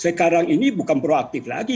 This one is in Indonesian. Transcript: sekarang ini bukan proaktif lagi